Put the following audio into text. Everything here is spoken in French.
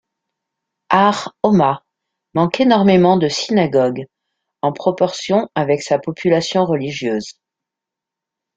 Har 'Homa manque énormément de synagogues en proportion avec sa population religieuse.